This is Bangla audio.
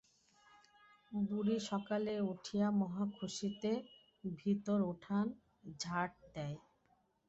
বুড়ি সকালে উঠিয়া মহা খুশীতে ভিতর উঠান ঝাঁট দেয়।